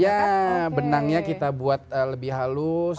ya benangnya kita buat lebih halus